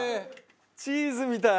チーズみたい。